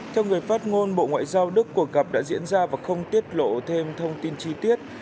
trong người phát ngôn bộ ngoại giao đức của cặp đã diễn ra và không tiết lộ thêm thông tin chi tiết